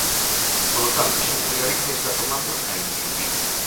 Polo tanto, a Xunta de Galicia está tomando a iniciativa.